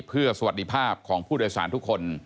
เพื่อสวัสดีภาพของผู้โดยสารทุกคน